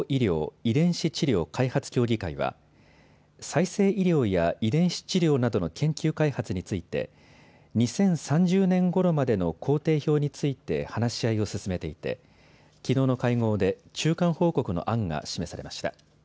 ・遺伝子治療開発協議会は再生医療や遺伝子治療などの研究開発について２０３０年ごろまでの行程表について話し合いを進めていてきのうの会合で中間報告の案が示されました。